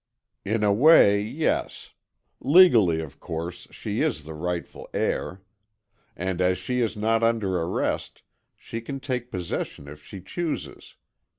"In a way, yes. Legally, of course, she is the rightful heir. And as she is not under arrest, she can take possession if she chooses.